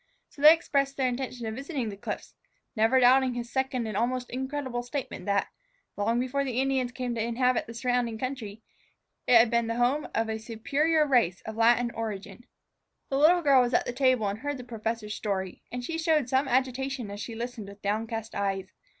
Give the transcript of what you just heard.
So they expressed their intention of visiting the cliffs, never doubting his second and almost incredible statement that, long before the Indians came to inhabit the surrounding country, it had been the home of a superior race of Latin origin. The little girl was at the table and heard the professor's story; and she showed some agitation as she listened with downcast eyes.